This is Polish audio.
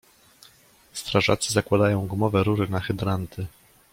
Strażacy zakładają gumowe rury na hydranty.